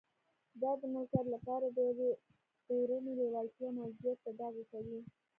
دا د ملکیت لپاره د یوې اورنۍ لېوالتیا موجودیت په ډاګه کوي